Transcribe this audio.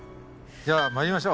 じゃあ参りましょう。